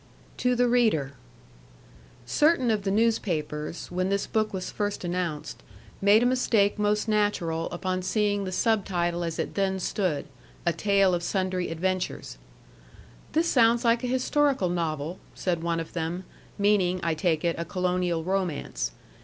TO THE READER Certain of the newspapers, when this book was first announced, made a mistake most natural upon seeing the sub title as it then stood, A TALE OF SUNDRY ADVENTURES. "This sounds like a historical novel," said one of them, meaning (I take it) a colonial romance.